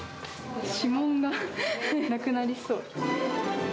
指紋がなくなりそう。